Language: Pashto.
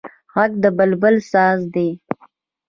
غږ د بلبل ساز دی